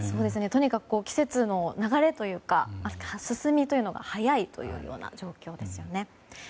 とにかく季節の流れというか進みというのが早いというような状況ですね。